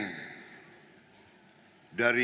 untuk menyeleweng dari